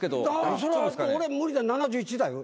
それは俺無理だ７１だよ。